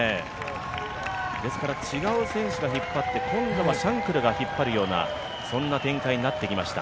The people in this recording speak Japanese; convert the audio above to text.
ですから違う選手が引っ張って、今度はシャンクルが引っ張るような、そんな展開になってきました。